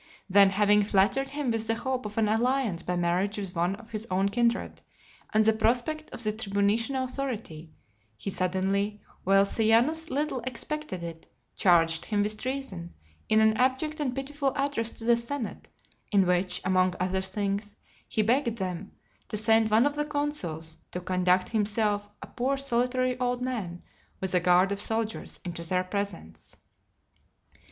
Then, having flattered him with the hope of an alliance by marriage with one of his own kindred, and the prospect of the tribunitian authority, he suddenly, while Sejanus little expected it, charged him with treason, in an abject and pitiful address to the senate; in which, among other things, he begged them "to send one of the consuls, to conduct himself, a poor solitary old man, with a guard of soldiers, into their presence."